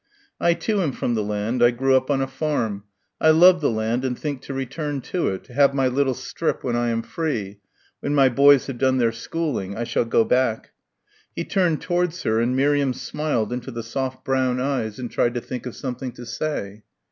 "I, too, am from the land. I grew up on a farm. I love the land and think to return to it to have my little strip when I am free when my boys have done their schooling. I shall go back." He turned towards her and Miriam smiled into the soft brown eyes and tried to think of something to say.